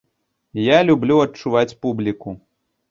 Я люблю адчуваць публіку.